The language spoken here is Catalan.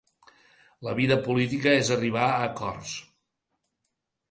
La vida política és arribar a acords.